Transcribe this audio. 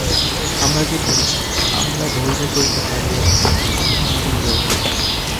আমরা ভুল যে করিতে পারিয়াছি, এজন্য আমাদের জয় হউক।